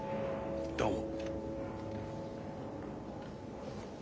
どうも。